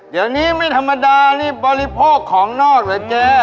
แต่นี่ไม่ธรรมดานี่บริโภคของนอดเหรอเจ๊